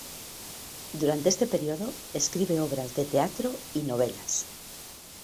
Durante este período escribe obras de teatro y novelas.